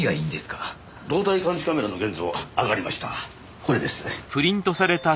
これです。